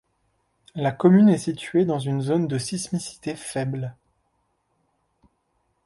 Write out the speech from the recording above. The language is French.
La commune est située dans une zone de sismicité faible.